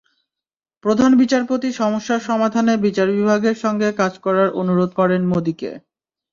প্রধান বিচারপতি সমস্যার সমাধানে বিচার বিভাগের সঙ্গে কাজ করার অনুরোধ করেন মোদিকে।